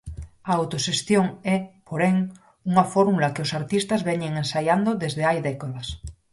A autoxestión é, porén, unha fórmula que os artistas veñen ensaiando desde hai décadas.